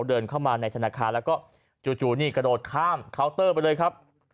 เดินเข้ามาในธนาคารแล้วก็จู่นี่กระโดดข้ามเคาน์เตอร์ไปเลยครับ